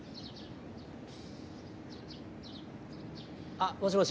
あっもしもし。